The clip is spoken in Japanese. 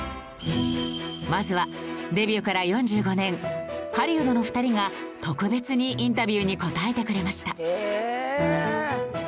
まずはデビューから４５年狩人の２人が特別にインタビューに答えてくれました。